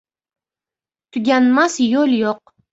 • Tuganmas yo‘l yo‘q.